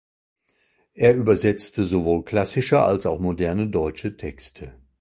Er übersetzte sowohl klassische als auch moderne deutsche Texte.